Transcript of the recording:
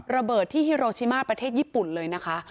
ระเบิดที่ฮิโรชิมาประเทศญี่ปุ่นเลยนะคะ